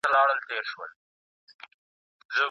ډېری خلک غواړي اول وګټي بیا زده کړي.